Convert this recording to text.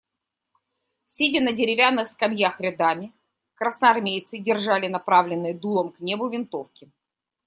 Сидя на деревянных скамьях рядами, красноармейцы держали направленные дулом к небу винтовки.